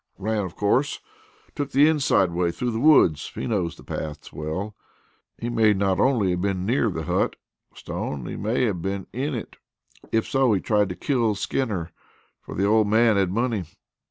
"Ran, of course took the inside way through the woods; he knows the paths well. He may not only have been near the hut, Stone, he may have been in it. If so, he tried to kill Skinner, for the old man had money."